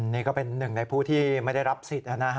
นี่ก็เป็นหนึ่งในผู้ที่ไม่ได้รับสิทธิ์